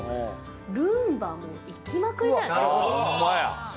ルンバも行きまくりじゃないですか。